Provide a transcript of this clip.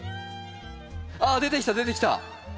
あっ出てきた出てきた。